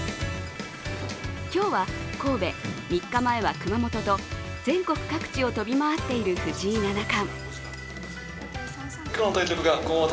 今日は神戸、３日前は熊本と全国各地を飛び回っている藤井七冠。